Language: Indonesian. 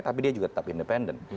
tapi dia juga tetap independen